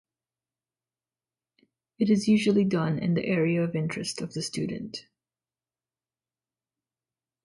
It is usually done in the area of interest of the student.